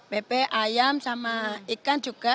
bebek ayam sama ikan juga